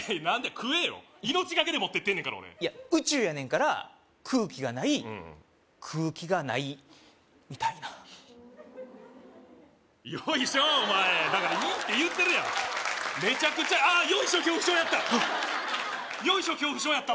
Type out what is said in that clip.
食えよ命がけで持ってってんねんから俺いや宇宙やねんから空気がない食う気がないみたいなよいしょお前だからいいって言うてるやんメチャクチャあっよいしょ恐怖症やったよいしょ恐怖症やった？